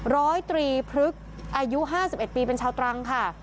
ร้อยตรีพฤกษ์อายุ๕๑ปีเป็นชาวตรังค่ะ